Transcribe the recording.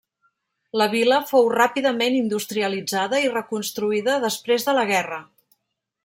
La vila fou ràpidament industrialitzada i reconstruïda després de la guerra.